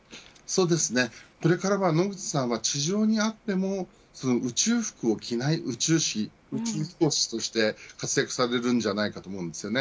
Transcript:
これからは野口さんは地上にあっても宇宙服を着ない宇宙飛行士として活躍されるのではないかと思います。